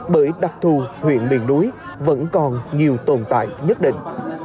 bởi đặc thù huyện miền núi vẫn còn nhiều tồn tại nhất định